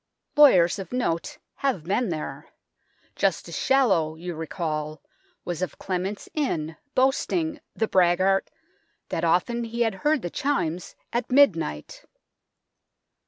Lawyers of note have been there. Justice Shallow, you recall, was of Clement's Inn, boasting the braggart ! that often he had heard the chimes at midnight.